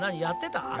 やってた？